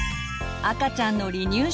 赤ちゃんの離乳食。